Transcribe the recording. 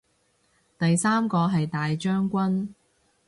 第三個係大將軍